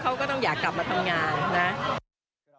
เขาก็ต้องอยากกลับมาทำงานนะ